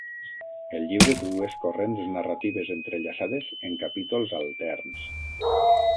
El llibre té dues corrents narratives entrellaçades en capítols alterns.